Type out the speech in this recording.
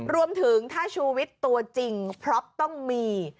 รวมถึงถ้าชูวิทย์ตัวจริงพล็อปต้องมี